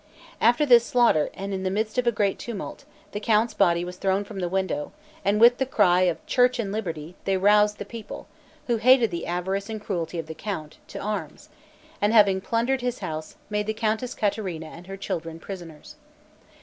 After this slaughter, and in the midst of a great tumult, the count's body was thrown from the window, and with the cry of "church and liberty," they roused the people (who hated the avarice and cruelty of the count) to arms, and having plundered his house, made the Countess Caterina and her children prisoners.